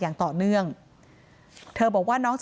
นายพิรายุนั่งอยู่ติดกันแบบนี้นะคะ